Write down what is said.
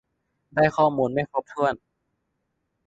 ได้ข้อมูลไม่ครบถ้วน